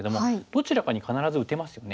どちらかに必ず打てますよね。